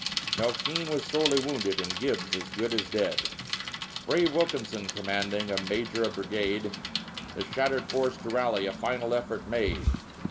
No! Keane was sorely wounded And Gibbs as good as dead. Brave Wilkinson commanding, A major of brigade, The shattered force to rally A final effort made.